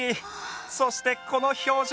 そしてこの表情。